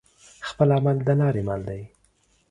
خپل عمل د لارې مل دى.